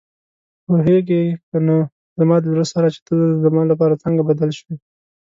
پوهېږې کنه زما د زړه سره چې ته زما لپاره څنګه بدل شوې.